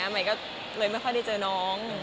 ใหม่ก็เลยไม่ค่อยได้เจอน้อง